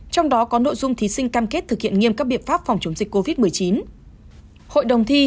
trong đó có nội dung thí sinh cam kết thực hiện nghiêm các biện pháp phòng chống dịch covid một mươi chín